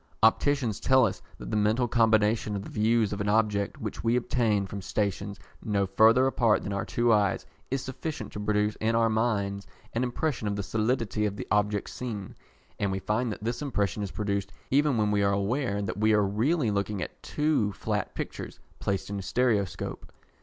Opticians tell us that the mental combination of the views of an object which we obtain from stations no further apart than our two eyes is sufficient to produce in our minds an impression of the solidity of the object seen; and we find that this impression is produced even when we are aware that we are really looking at two flat pictures placed in a stereoscope.